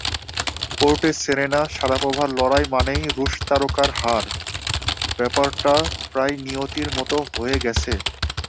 কোর্টে সেরেনা-শারাপোভার লড়াই মানেই রুশ তারকার হার—ব্যাপারটা প্রায় নিয়তির মতো হয়ে গেছে।